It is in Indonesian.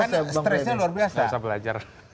karena stresnya luar biasa